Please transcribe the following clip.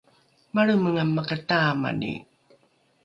malremenga makataamani